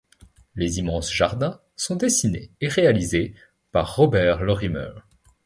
Les immenses jardins sont dessinés et réalisés par Robert Lorimer.